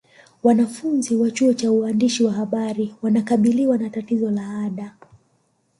Wanafunzi wa chuo cha uandishi wa habari wanakabiliwa na tatizo la ada